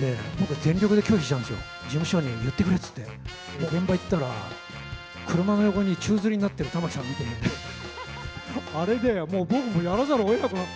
で、僕、全力で拒否したんですよ、事務所に言ってくれって、現場行ったら、車の横に宙づりになってる玉木さんを見て、あれで、僕もやらざるをえなくなった。